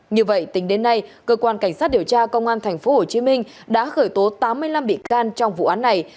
như vậy tính đến nay cơ quan cảnh sát điều tra công an tp hcm đã khởi tố tám mươi năm bị can trong vụ án này